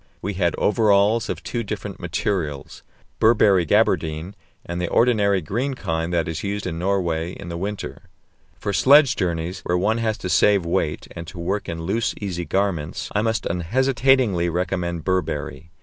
We had overalls of two different materials: Burberry "gabardine" and the ordinary green kind that is used in Norway in the winter. For sledge journeys, where one has to save weight, and to work in loose, easy garments, I must unhesitatingly recommend Burberry.